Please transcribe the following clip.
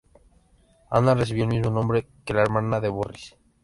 Ana recibió el mismo nombre que la hermana de Boris.